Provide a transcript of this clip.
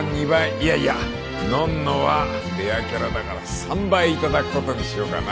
いやいやのんのはレアキャラだから３倍頂くことにしようかな。